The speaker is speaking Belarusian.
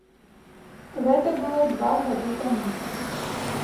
Гэта было два гады таму.